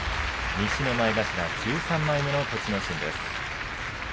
西の前頭１３枚目の栃ノ心です。